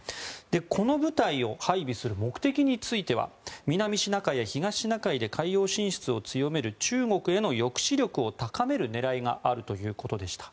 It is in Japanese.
この部隊を配備する目的については南シナ海や東シナ海で海洋進出を強める中国への抑止力を高める狙いがあるということでした。